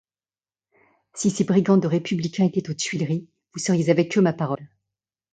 Si ces brigands de républicains étaient aux Tuileries, vous seriez avec eux, ma parole!